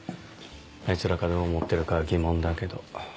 あいつらがどう思ってるかは疑問だけど。